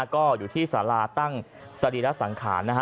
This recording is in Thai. ก็อยู่ที่สาราตั้งสรีระสังขารนะฮะ